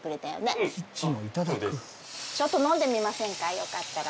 よかったら。